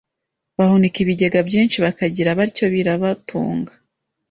Bahunika ibigega byinshi bakira batyo birabatunga